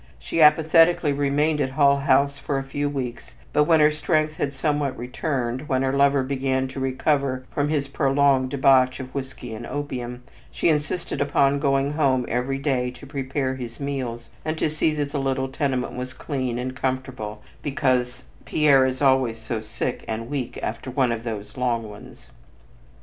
She apathetically remained at Hull House for a few weeks, but when her strength had somewhat returned, when her lover began to recover from his prolonged debauch of whiskey and opium, she insisted upon going home every day to prepare his meals and to see that the little tenement was clean and comfortable because "Pierre is always so sick and weak after one of those long ones."